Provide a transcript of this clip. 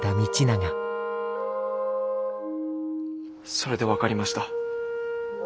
それで分かりました。